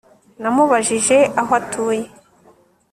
Namubajije aho atuye